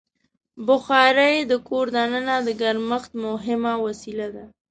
بخاري د کور دننه د ګرمښت مهمه وسیله ده.